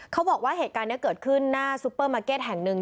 เขาบอกว่าเหตุการณ์นี้เกิดขึ้นหน้าซุปเปอร์มาร์เก็ตแห่งหนึ่ง